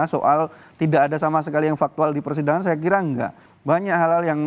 soal tidak ada sama sekali yang faktual di persidangan saya kira enggak banyak hal hal yang